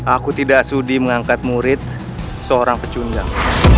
aku tidak sudi mengangkat murid seorang pecundang